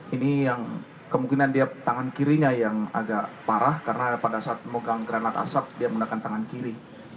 ini yang kemungkinan dia tangan kirinya yang agak parah karena pada saat memegang granat asap dia menggunakan tangan kiri